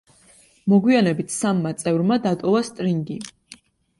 მოგვიანებით სამმა წევრმა დატოვა სტრინგი.